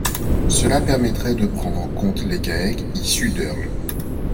Cela permettrait de prendre en compte les GAEC issus d’EARL.